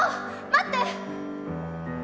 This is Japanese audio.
待って！